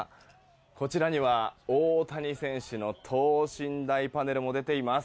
こちらには大谷選手の等身大パネルも出ています。